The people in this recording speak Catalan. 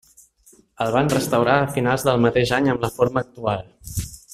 El van restaurar a finals del mateix any amb la forma actual.